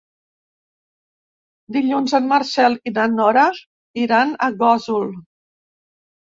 Dilluns en Marcel i na Nora iran a Gósol.